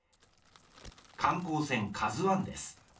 観光船「ＫＡＺＵⅠ」です。